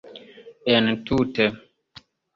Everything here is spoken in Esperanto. entute